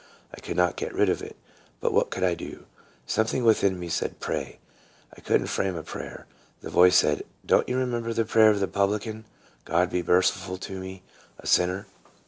I could not get rid of it; but what could I do? Something within me said " Pray." I could n't frame a prayer. The voice said, " Do n't you remember the prayer of the publican, ' God be merciful to me a sinner'